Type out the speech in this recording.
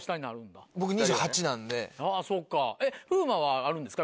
あぁそうか風磨はあるんですか？